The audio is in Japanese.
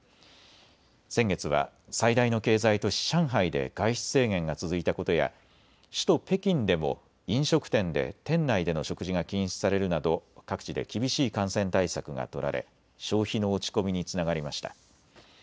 先月は最大の経済都市、上海で外出制限が続いたことや首都・北京でも飲食店で店内での食事が禁止されるなど各地で厳しい感染対策が取られ消費の落ち込みにつながりました。